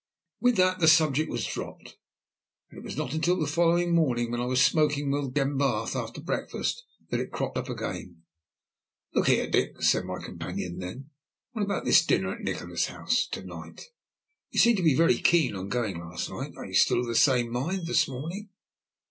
With that the subject was dropped, and it was not until the following morning, when I was smoking with Glenbarth after breakfast, that it cropped up again. "Look here, Dick," said my companion then. "What about this dinner at Nikola's house to night? You seemed to be very keen on going last night; are you of the same mind this morning?"